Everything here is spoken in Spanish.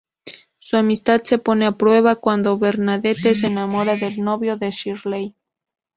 Su amistad se pone a prueba cuando Bernadette se enamora del novio de Shirley.